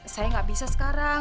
saya tidak bisa sekarang